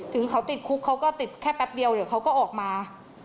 ถึงเขาติดคุกเขาก็ติดแค่แป๊บเดียวเดี๋ยวเขาก็ออกมา